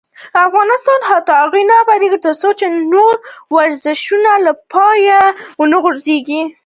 افغانستان تر هغو نه ابادیږي، ترڅو نور ورزشونه له پامه ونه غورځول شي.